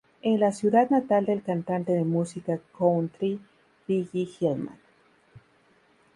Es la ciudad natal del cantante de música country Billy Gilman.